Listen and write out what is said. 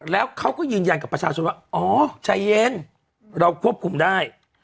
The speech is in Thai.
แล้วเขาก็ยืนยันกับประชาชนว่าอ๋อใจเย็นเราควบคุมได้